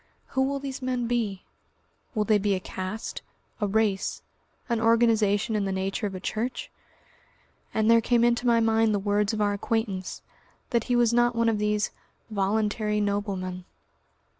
Who will these men be? Will they be a caste? a race? an organisation in the nature of a Church? ... And there came into my mind the words of our acquaintance, that he was not one of these "voluntary noblemen."